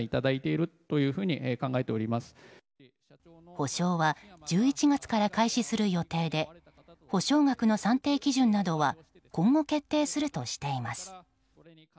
補償は１１月から開始する予定で補償額の算定基準などは今後決定するとしています。